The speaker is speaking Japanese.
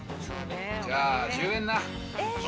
じゃあ、１０円な。